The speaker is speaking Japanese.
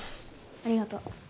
ありがとう。